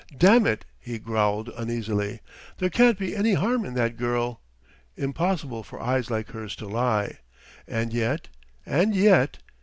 "Damn it!" he growled uneasily "there can't be any harm in that girl! Impossible for eyes like hers to lie!... And yet ... And yet!...